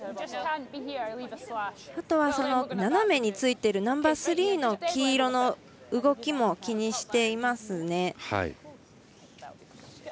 あとは、斜めについているナンバースリーの黄色の動きも気にしていますね。